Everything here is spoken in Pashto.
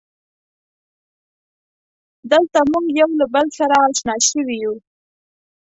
دلته مونږ یو له بله سره اشنا شوي یو.